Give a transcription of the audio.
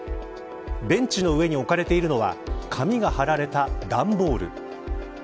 ベンチの上に置かれているのは紙が貼られた段ボール。